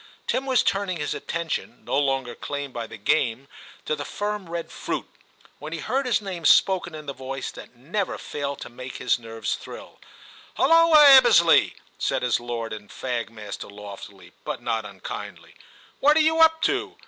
Tim was turning his attention^ no longer claimed by the game, to the firm red fruit, when he heard his name spoken in the voice that never failed to make his nerves thrill. ' Hulloa, Ebbesley !* said his lord and fag master loftily, but not unkindly, 'what are you up to